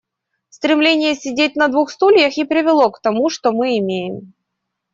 Стремление сидеть на двух стульях и привело к тому, что мы имеем.